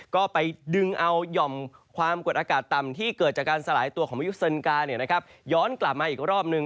ก็ไปดึงเอาหย่อมความกดอากาศต่ำที่เกิดจากการสลายตัวของพายุเซินกาย้อนกลับมาอีกรอบนึง